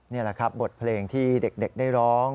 นี่แหละครับบทเพลงที่เด็กได้ร้อง